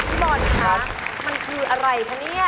พี่บอลคะมันคืออะไรคะเนี่ย